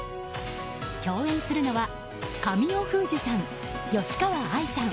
共演するのは神尾楓珠さん、吉川愛さん